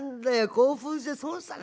興奮して損したね